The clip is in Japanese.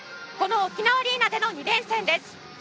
この沖縄アリーナでの２連戦です。